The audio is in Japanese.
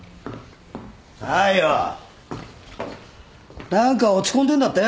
大陽何か落ち込んでんだって？